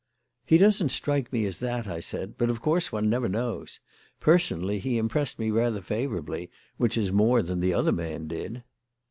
"He doesn't strike me as that," I said; "but, of course, one never knows. Personally, he impressed me rather favourably, which is more than the other man did."